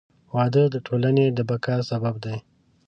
• واده د ټولنې د بقا سبب دی.